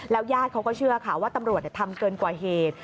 ญาติเขาก็เชื่อค่ะว่าตำรวจทำเกินกว่าเหตุ